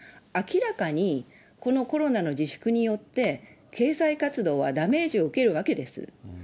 明らかに、このコロナの自粛によって経済活動はダメージを受けるわけです。